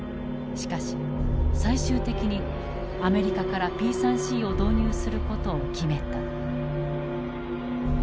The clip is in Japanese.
しかし最終的にアメリカからＰ３Ｃを導入する事を決めた。